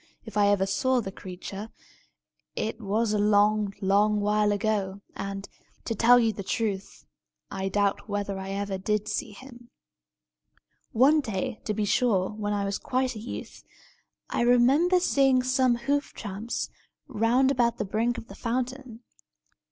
If I ever saw the creature, it was a long, long while ago; and, to tell you the truth, I doubt whether I ever did see him. One day, to be sure, when I was quite a youth, I remember seeing some hoof tramps round about the brink of the fountain.